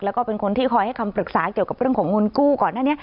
แล้วก็เป็นคนที่คอยให้คำปรึกษาเกี่ยวกับเรื่องของเงินกู้ก่อนหน้านี้